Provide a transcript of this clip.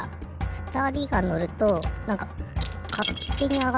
ふたりがのるとなんかかってにあがっていきますよね。